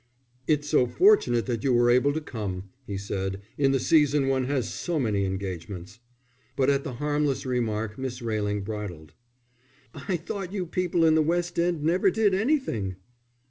"It's so fortunate that you were able to come," he said. "In the Season one has so many engagements." But at the harmless remark Miss Railing bridled. "I thought you people in the West End never did anything?"